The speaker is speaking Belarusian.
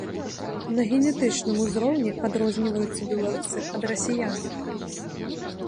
На генетычным узроўні адрозніваюцца беларусы ад расіян.